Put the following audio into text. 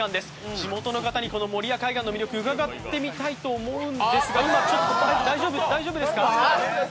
地元の方にこの守谷海岸の魅力を伺ってみたいと思いますが大丈夫ですか？